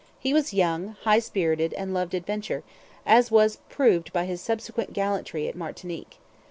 He was young, high spirited, and loved adventure, as was proved by his subsequent gallantry at Martinique.